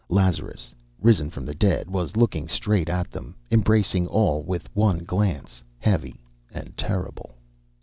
Lazarus, risen from the dead, was looking straight at them, embracing all with one glance, heavy and terrible.